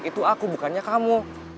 itu aku bukannya kamu